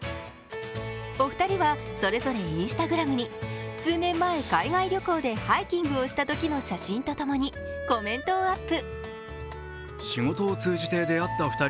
お二人はそれぞれＩｎｓｔａｇｒａｍに数年前、海外旅行でハイキングをしたときの写真とともにコメントをアップ。